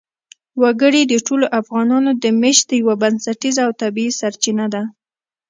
وګړي د ټولو افغانانو د معیشت یوه بنسټیزه او طبیعي سرچینه ده.